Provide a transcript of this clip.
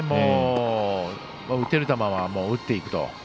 打てる球は、打っていくと。